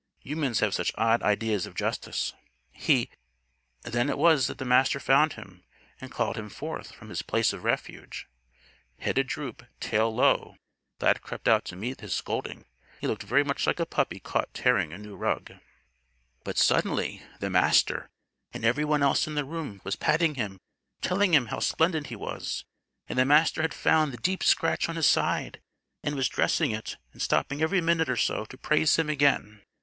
Humans have such odd ideas of Justice. He Then it was that the Master found him; and called him forth from his place of refuge. Head adroop, tail low, Lad crept out to meet his scolding. He looked very much like a puppy caught tearing a new rug. But suddenly, the Master and everyone else in the room was patting him and telling him how splendid he was. And the Master had found the deep scratch on his side and was dressing it, and stopping every minute or so, to praise him again.